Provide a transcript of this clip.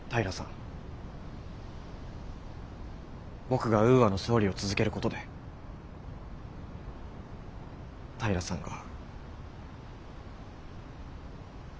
僕がウーアの総理を続けることで平さんが。